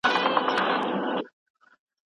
چې د نقاشۍ د تابلو په شنه ورشو کې څري،